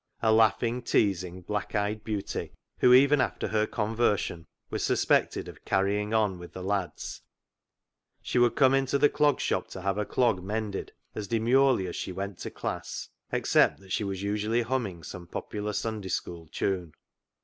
A laughing, teasing, black eyed beauty who, even after her conver sion, was suspected of " carrying on " with the lads, she would come into the Clog Shop to have her clog mended as demurely as she went to class, except that she was usually humming some popular Sunday School tune.